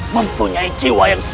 mempunyai jiwa yang berguna